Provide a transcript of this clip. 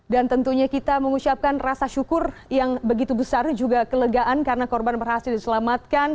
dan tentunya kita mengucapkan rasa syukur yang begitu besar juga kelegaan karena korban berhasil diselamat